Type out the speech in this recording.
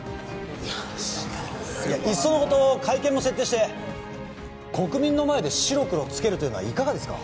いやしかしいっそのこと会見も設定して国民の前で白黒つけるというのはいかがですか？